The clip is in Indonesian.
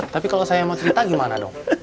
tapi kalau saya mau cerita gimana dong